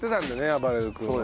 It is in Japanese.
あばれる君は。